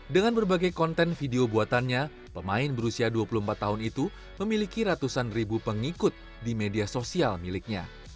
dengan berbagai konten video buatannya pemain berusia dua puluh empat tahun itu memiliki ratusan ribu pengikut di media sosial miliknya